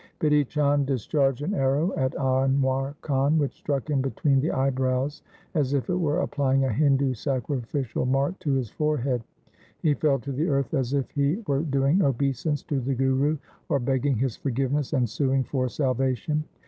Bidhi Chand discharged an arrow at Anwar Khan which struck him between the eyebrows, as if it were applying a Hindu sacrificial mark to his fore head. He fell to the earth as if he were doing obeisance to the Guru, or begging his forgiveness and suing for salvation.